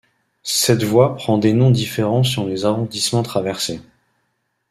Cette voie prend des noms différents selon les arrondissements traversés.